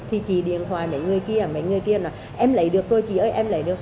thì chị điện thoại mấy người kia mấy người kia là em lấy được rồi chị ơi em lấy được